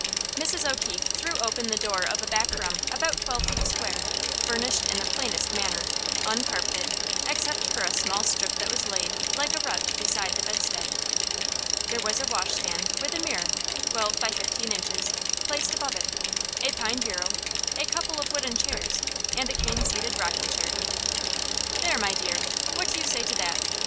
Mrs. O'Keefe threw open the door of a back room about twelve feet square, furnished in the plainest manner, uncarpeted, except for a strip that was laid, like a rug, beside the bedstead. There was a washstand, with a mirror, twelve by fifteen inches, placed above it, a pine bureau, a couple of wooden chairs, and a cane seated rocking chair. "There, my dear, what do you say to that?"